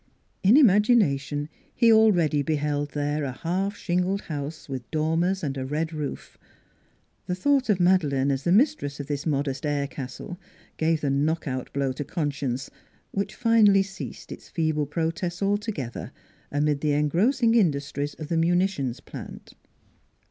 In imagination he already beheld there a half shingled house with dormers and a red roof. The thought of Made leine as the mistress of this modest air castle gave the knockout blow to conscience, which finally ceased its feeble protests altogether amid the en grossing industries of the munitions plant.